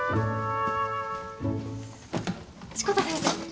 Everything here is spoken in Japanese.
志子田先生。